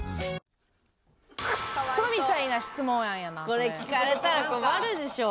これ聞かれたら困るでしょう。